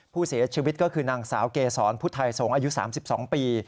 ผู้เสียชีวิตก็คือนางสาวเกษรพุทธไทยสงฆ์อายุ๓๒ปี